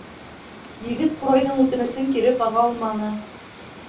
Егет ҡурайҙың үтенесен кире ҡаға алманы.